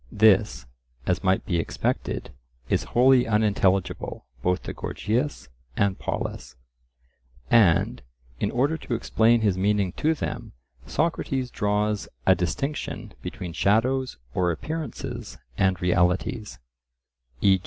This, as might be expected, is wholly unintelligible, both to Gorgias and Polus; and, in order to explain his meaning to them, Socrates draws a distinction between shadows or appearances and realities; e.